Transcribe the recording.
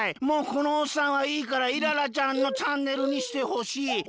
「もうこのおっさんはいいからイララちゃんのチャンネルにしてほしい」。